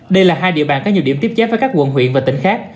đây là hai địa bàn có nhiều điểm tiếp giáp với các quận huyện và tỉnh khác